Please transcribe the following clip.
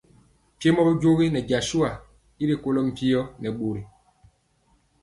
Mpiemɔ bijogi nɛ jasua y rikolɔ mpio nɛ bori.